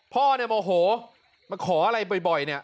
พ่อเนี่ยโมโหมาขออะไรบ่อยเนี่ย